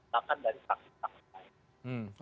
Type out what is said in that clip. bahkan dari faktor faktor lain